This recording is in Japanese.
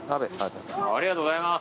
ありがとうございます。